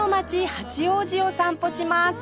八王子を散歩します